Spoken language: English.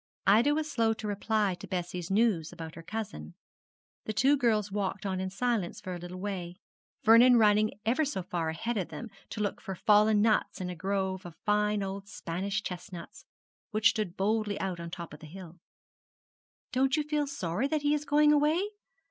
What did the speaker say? Ida was slow to reply to Bessie's news about her cousin. The two girls walked on in silence for a little way, Vernon running ever so far ahead of them to look for fallen nuts in a grove of fine old Spanish chestnuts, which stood boldly out on the top of a hill. 'Don't you feel sorry that he is going away?'